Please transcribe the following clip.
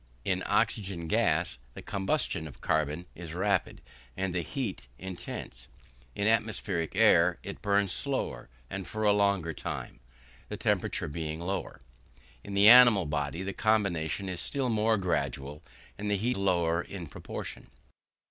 In oxygen gas the combustion of carbon is rapid and the heat intense; in atmospheric air it burns slower and for a longer time, the temperature being lower; in the animal body the combination is still more gradual, and the heat is lower in proportion.